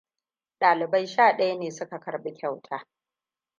Ɗalibai shaɗaya ne suka karɓi kyauta.